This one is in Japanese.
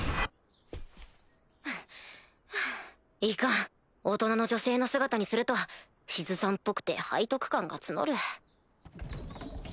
いかん大人の女性の姿にするとシズさんぽくて背徳感が募る。